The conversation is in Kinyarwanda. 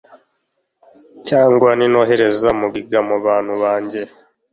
cyangwa ninohereza mugiga mu bantu banjye